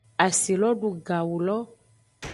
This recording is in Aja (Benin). Asi lo du gawu lo.